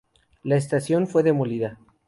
La estación fue demolida.